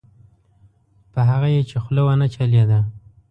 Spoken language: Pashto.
په هغه یې چې خوله ونه چلېده.